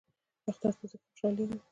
اختر ته ځکه خوشحالیږم .